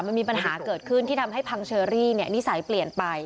มันมีปัญหาเกิดขึ้นที่ทำให้พังเชอรี่นิสัยเปลี่ยนไป